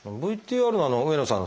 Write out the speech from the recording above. ＶＴＲの上野さん